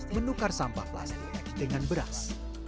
menukar sampah plastik dengan beras